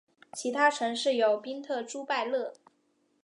其他城市有宾特朱拜勒。